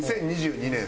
２０２２年